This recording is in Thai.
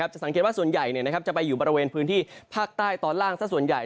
จะสังเกตว่าส่วนใหญ่จะไปอยู่บริเวณพื้นที่ภาคใต้ตอนล่างสักส่วนใหญ่